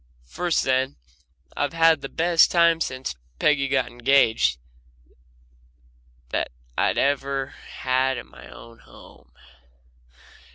First then, I've had the best time since Peggy got engaged that I've ever had in my own home.